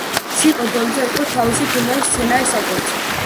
სიკო დოლიძე იყო თავისი ფილმების სცენარის ავტორიც.